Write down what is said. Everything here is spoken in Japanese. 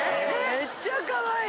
めっちゃかわいい。